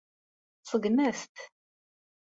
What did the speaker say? Tseggem-as-t.